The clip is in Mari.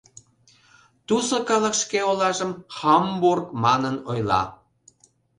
Тусо калык шке олажым «Хамбург» манын ойла.